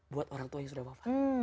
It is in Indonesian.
buat orang tua yang sudah wafat